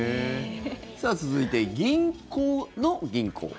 さあ、続いて銀行の銀行。